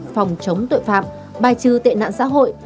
phòng chống tội phạm bài trừ tệ nạn xã hội